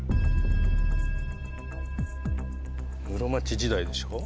室町時代でしょう？